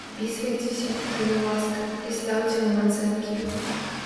Падпісвайцеся, калі ласка, і стаўце нам ацэнкі!